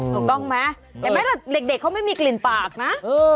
เห็นไหมละเด็กเขาไม่มีกลิ่นปากนะ